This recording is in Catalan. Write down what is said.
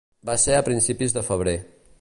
Va ser a principis de febrer.